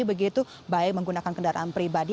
begitu baik menggunakan kendaraan pribadi